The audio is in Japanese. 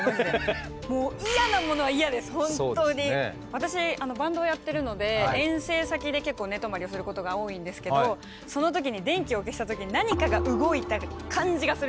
私バンドをやってるので遠征先で結構寝泊まりをすることが多いんですけどその時に電気を消した時にその気配が。